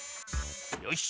よし。